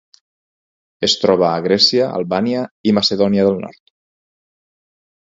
Es troba a Grècia, Albània i Macedònia del Nord.